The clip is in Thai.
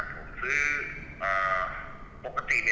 ปกติคุณเล่นอยู่ทุกโม่นหรือเปล่า